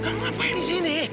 kamu ngapain di sini